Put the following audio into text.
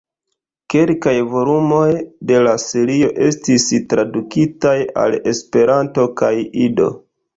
Kelkaj volumoj de la serio estis tradukitaj al Esperanto kaj Ido.